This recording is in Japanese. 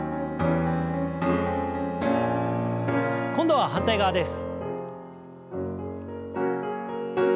今度は反対側です。